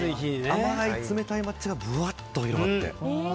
甘い冷たい抹茶がぶわっと広がって。